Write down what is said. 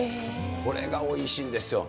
これがおいしいんですよ。